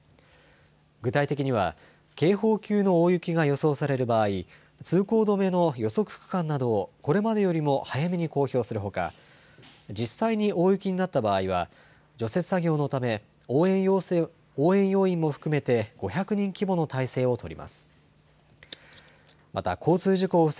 具体的には、警報級の大雪が予想される場合、通行止めの予測区間などをこれまでよりも早めに公表するほか、実際に大雪になった場合は、除雪作業のため、応援要員も含めて、５００人規模の態勢を取ります。